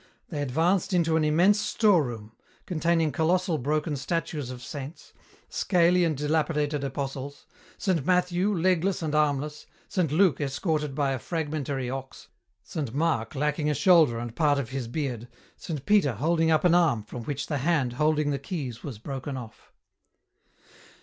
They advanced into an immense storeroom, containing colossal broken statues of saints, scaly and dilapidated apostles, Saint Matthew legless and armless, Saint Luke escorted by a fragmentary ox, Saint Mark lacking a shoulder and part of his beard, Saint Peter holding up an arm from which the hand holding the keys was broken off.